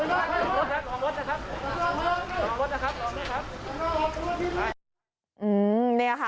นี่แหละค่ะ